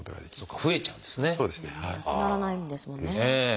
なくならないんですもんね。